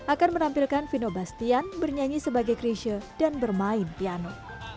akan menampilkan vino bastian bernyanyi sebagai krisha dan bermain piano